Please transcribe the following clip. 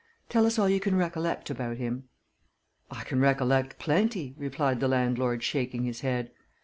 Tell us all you can recollect about him." "I can recollect plenty," replied the landlord, shaking his head.